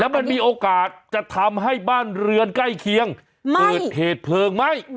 มันมีโอกาสจะทำให้บ้านเรือนใกล้เคียงเกิดเหตุเพลิงไหม้